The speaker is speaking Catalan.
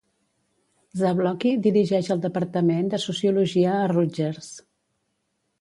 Zablocki dirigeix el departament de Sociologia a Rutgers.